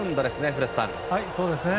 古田さん。